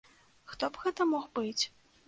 Хто б гэта мог быць?